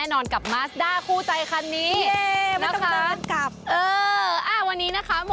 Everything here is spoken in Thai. เอากระดาษหัวค่ะคุณแม่